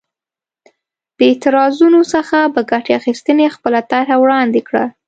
د اعتراضونو څخه په ګټې اخیستنې خپله طرحه وړاندې کړه.